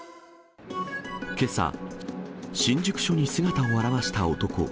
けさ、新宿署に姿を現した男。